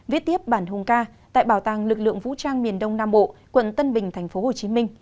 viết tiếp bản hùng ca tại bảo tàng lực lượng vũ trang miền đông nam bộ quận tân bình tp hcm